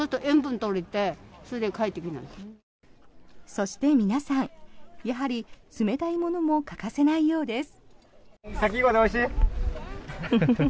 そして皆さんやはり、冷たいものも欠かせないようです。